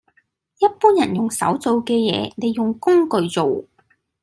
一般人用手做嘅嘢，你用工具做